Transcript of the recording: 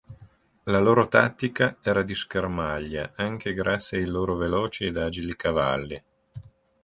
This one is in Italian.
La loro tattica era di schermaglia, anche grazie ai loro veloci ed agili cavalli.